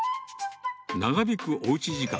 長引くおうち時間。